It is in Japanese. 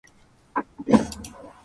インフレ